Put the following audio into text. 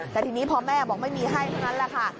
แต่ทีนี้พอแม่บอกไม่มีให้เท่านั้นแหละค่ะ